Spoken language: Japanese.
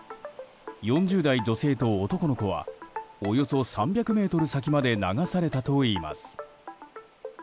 ４０代女性と男の子はおよそ３００ｍ先まで流されたといいます。